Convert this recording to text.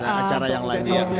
ada acara yang lain